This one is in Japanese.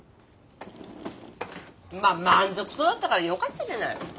まあ満足そうだったからよかったじゃない。